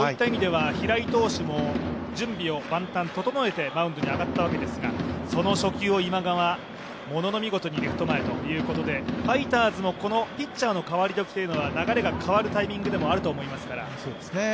平井投手も準備万端整えてマウンドに上がったわけですがその初球を今川、ものの見事にレフト前ということで、ファイターズもピッチャーの代わり時というのは流れが変わるタイミングでもあると思いますから。